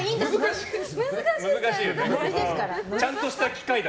難しいよね。